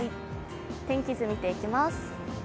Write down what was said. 天気図見ていきます。